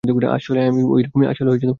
আসলে, আমি ওইরকমই।